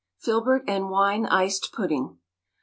_Filbert and Wine Iced Pudding.